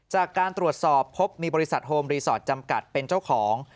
จากการตรวจสอบพบมีบริษัทโฮมรีสอร์ทจำกัดเป็นเจ้าของ